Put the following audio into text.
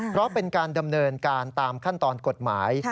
เพราะเป็นการดำเนินการตามขั้นตอนกฎหมาย